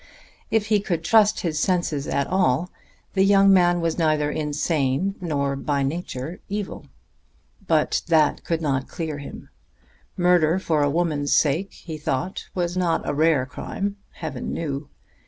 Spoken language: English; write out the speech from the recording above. If he could trust his senses at all, the young man was neither insane nor by nature evil. But that could not clear him. Murder for a woman's sake, he thought, was not a rare crime, Heaven knew!